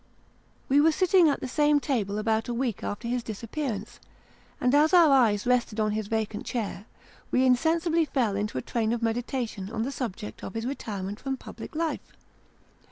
We were sitting at the same table about a week after his disappear ance, and as our eyes rested on his vacant chair, we insensibly fell into a train of meditation on the subject of his retirement from public life.